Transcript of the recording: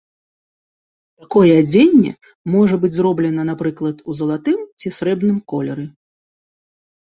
Такое адзенне можа быць зроблена, напрыклад, у залатым ці срэбным колеры.